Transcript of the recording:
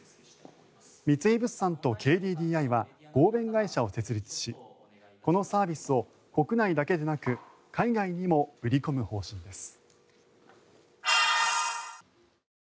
三井物産とＫＤＤＩは合弁会社を設立しこのサービスを国内だけでなく海外にも売り込む方針です。